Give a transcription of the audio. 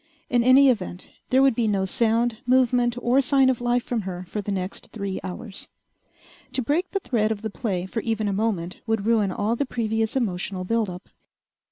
In any event, there would be no sound, movement, or sign of life from her for the next three hours. To break the thread of the play for even a moment would ruin all the previous emotional build up.